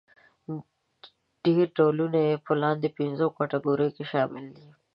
ډېری ډولونه يې په لاندې پنځو کټګوریو کې شامل دي.